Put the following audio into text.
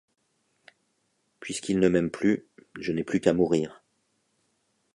Puisqu’il ne m’aime plus, je n’ai plus qu’à mourir.